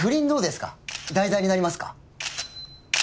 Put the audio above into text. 題材になりますか？